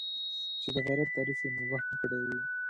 چې د غیرت تعریف یې مبهم کړی دی.